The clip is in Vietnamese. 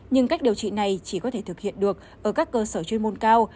nhưng cách điều trị này chỉ có thể thực hiện được ở các cơ sở chuyên môn cao